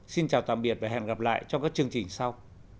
xin chào tạm biệt và hẹn gặp lại trong các chương trình sau